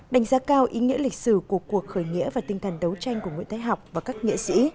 đánh giá cao ý nghĩa lịch sử của cuộc khởi nghĩa và tinh thần đấu tranh của nguyễn thái học và các nghệ sĩ